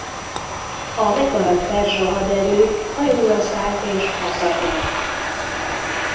A megmaradt perzsa haderő hajóra szállt és hazatért.